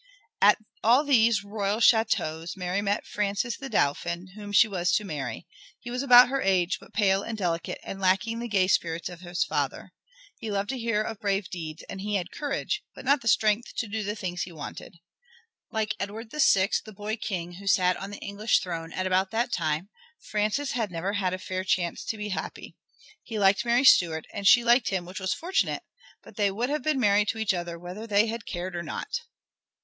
At all these royal châteaux Mary met Francis the Dauphin, whom she was to marry. He was about her age, but pale and delicate, and lacking the gay spirits of his father. He loved to hear of brave deeds, and he had courage, but not the strength to do the things he wanted. Like Edward VI, the boy king who sat on the English throne at about that time, Francis had never had a fair chance to be happy. He liked Mary Stuart and she liked him, which was fortunate, but they would have been married to each other whether they had cared or not.